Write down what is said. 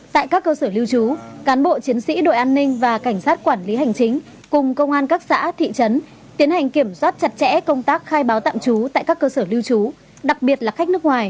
tại các cơ sở lưu trú cán bộ chiến sĩ đội an ninh và cảnh sát quản lý hành chính cùng công an các xã thị trấn tiến hành kiểm soát chặt chẽ công tác khai báo tạm trú tại các cơ sở lưu trú